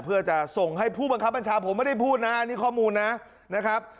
เพื่อจะส่งให้ผู้บังคับบัญชาผมไม่ได้พูดนะอันนี้ข้อมูลนะครับ